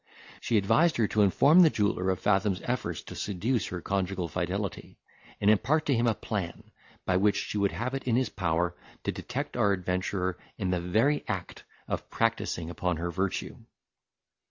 She advised her to inform the jeweller of Fathom's efforts to seduce her conjugal fidelity, and impart to him a plan, by which he would have it in his power to detect our adventurer in the very act of practising upon her virtue.